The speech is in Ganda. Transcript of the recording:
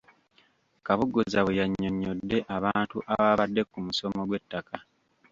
Kaboggoza bwe yannyonnyodde abantu abaabadde ku musomo gw'ettaka.